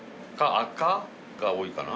赤が多いかな。